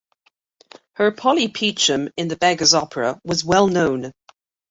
Her Polly Peachum in "The Beggar's Opera" was well known.